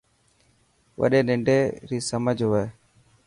وڏي ننڊي ري سمجهه هوئي.